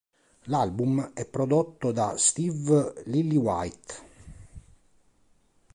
L'album è prodotto da Steve Lillywhite.